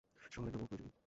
শহরের নাম অপ্রয়োজনীয়।